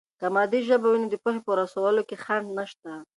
که مادي ژبه وي، نو د پوهې په رسولو کې خنډ نشته.